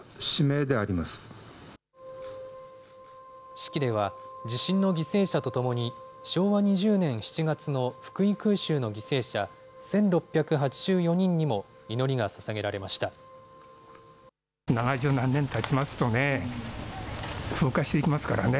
式では、地震の犠牲者と共に、昭和２０年７月の福井空襲の犠牲者１６８４人にも祈りがささげられました。